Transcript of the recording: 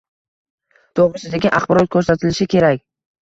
to‘g‘risidagi axborot ko‘rsatilishi kerak.